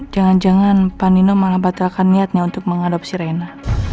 jangan jangan panino malah batalkan niatnya untuk mengadopsi reina